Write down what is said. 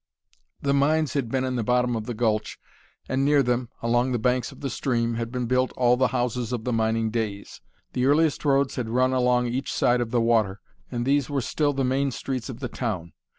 The mines had been in the bottom of the gulch, and near them, along the banks of the stream, had been built all the houses of the mining days. The earliest roads had run along each side of the water, and these were still the main streets of the town.